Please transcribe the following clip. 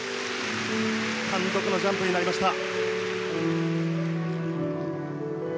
単独のジャンプになりました。